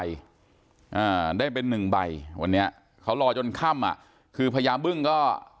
อ่าได้เป็นหนึ่งใบวันนี้เขารอจนค่ำอ่ะคือพญาบึ้งก็